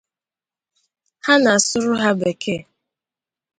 ha ana-asụrụ ha bekee